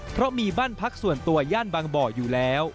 เพราะมีบ้านพักส่วนตัวย่านบางบ่ออยู่แล้ว